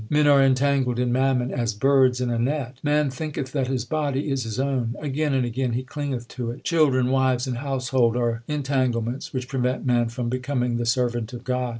Men are entangled in mammon as birds in a net : Man thinketh that his body is his own ; Again and again he clingeth to it. Children, wives, and household are entanglements Which prevent man from becoming the servant of God.